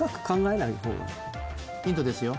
ヒントですよ。